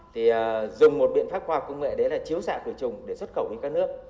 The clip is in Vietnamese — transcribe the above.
thì dùng một biện pháp khoa công nghệ đấy là chiếu xạ cửa chùng để xuất khẩu đến các nước